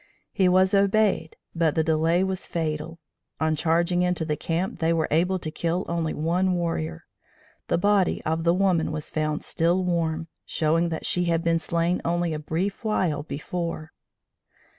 He was obeyed, but the delay was fatal. On charging into the camp they were able to kill only one warrior. The body of the woman was found still warm, showing that she had been slain only a brief while before.